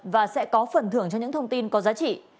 và sẽ có phần thưởng cho những thông tin có giá trị